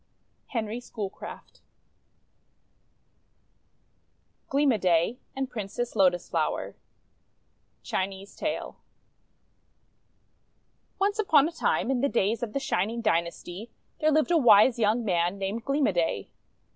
HENRY SCHOOLCRAFT GLEAM O' DAY AND PRINCESS LOTUS FLOWER Chinese Tale ONCE upon a time, in the days of the Shining Dynasty, there lived a wise young man named Gleam o' Day.